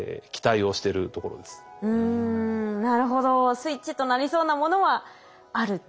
スイッチとなりそうなものはあると。